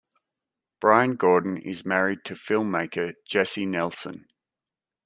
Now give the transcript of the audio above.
Bryan Gordon is married to filmmaker Jessie Nelson.